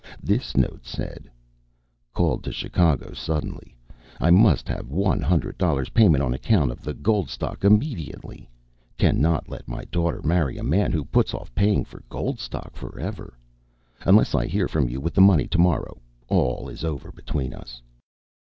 This note said: Called to Chicago suddenly. I must have one hundred dollars payment on account of the gold stock immediately. Cannot let my daughter marry a man who puts off paying for gold stock forever. Unless I hear from you with money to morrow, all is over between us.